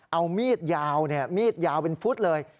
เอามีดยาวมีดยาวเป็นฟุตเลย